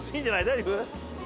大丈夫？